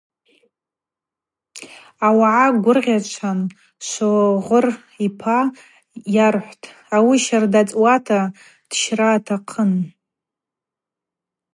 Ауагӏа гвыргъьачӏван Швогъвыр йпа йархӏвтӏ: – Ауи щарда цӏуата дщра атахъын.